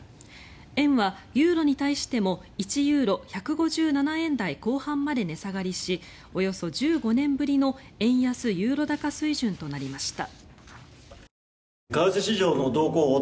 円はユーロに対しても１ユーロ＝１５７円台後半まで値下がりしおよそ１５年ぶりの円安・ユーロ高水準となりました。